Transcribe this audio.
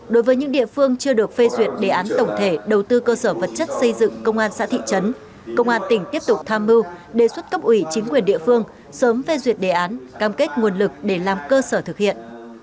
đối với những địa phương chưa được phê duyệt đề án tổng thể đầu tư cơ sở vật chất xây dựng công an xã thị trấn công an tỉnh tiếp tục tham mưu đề xuất cấp ủy chính quyền địa phương sớm phê duyệt đề án cam kết nguồn lực để làm cơ sở thực hiện